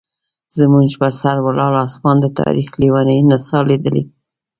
زموږ پر سر ولاړ اسمان د تاریخ لیونۍ نڅا لیدلې.